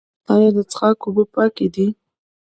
آیا د څښاک اوبه پاکې دي؟